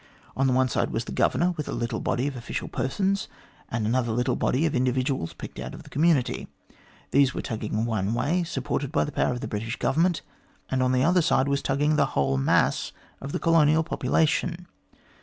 On the one side was the Governor, with a little body of official persons, and another little body of individuals picked out of the community. These were tugging one way, sup ported by the power of the British Government, and on the other side was tugging the whole mass of the colonial population.